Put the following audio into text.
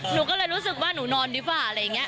หนูก็เลยรู้สึกว่าหนูนอนดีกว่าอะไรอย่างนี้